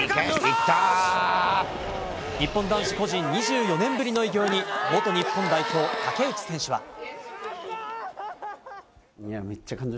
日本男子個人２４年ぶりの偉業に元日本代表、竹内選手は。